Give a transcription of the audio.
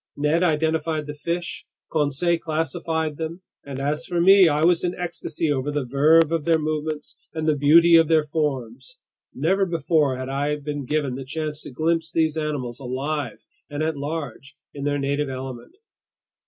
Ned identified the fish, Conseil classified them, and as for me, I was in ecstasy over the verve of their movements and the beauty of their forms. Never before had I been given the chance to glimpse these animals alive and at large in their native element.